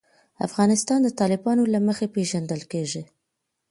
افغانستان د تالابونه له مخې پېژندل کېږي.